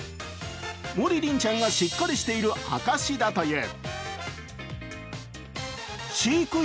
もりりんちゃんがしっかりしている証しだという。